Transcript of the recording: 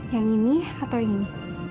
yang ini atau yang ini